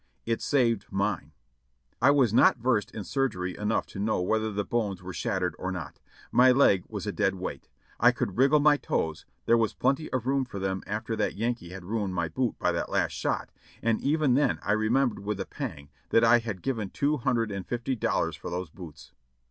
It saved mine. I was not versed in surgery enough to know whether the bones were shattered or not. My leg was a dead weight ; I could wrig gle my toes, there was plenty of room for them after that Yankee had ruined my boot by that last shot, and even then I remem bered with a pang that I had given two hundred and fifty dollars for those boots.